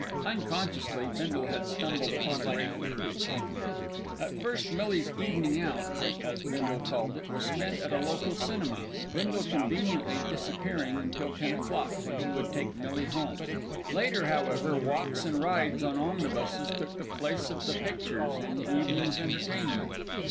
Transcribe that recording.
Unconsciously Bindle had stumbled upon a great truth. At first Millie's "evenin' out," as Bindle called it, was spent at a local cinema, Bindle conveniently disappearing until ten o'clock, when he would take Millie home. Later, however, walks and rides on omnibuses took the place of "the pictures" in the evening's entertainment.